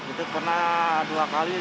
itu pernah dua kali